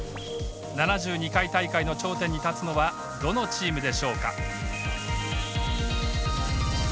７２回大会の頂点に立つのはどのチームでしょうか。